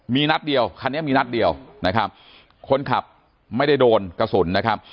มีนัดเดียวคันนี้มีนัดเดียวนะครับคนขับไม่ได้โดนกระสุนนะครับ